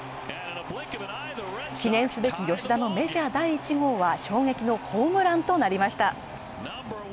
記念すべき吉田のメジャー第１号は衝撃のホームランとなりました。